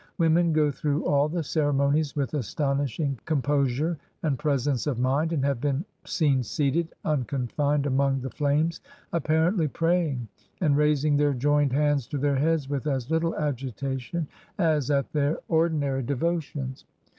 Women go through all the ceremonies with astonishing composure and presence of mind, and have been seen seated, unconfined, among the flames, apparently praying, and raising their joined hands to their heads with as little agitation as at their ordinary devotions.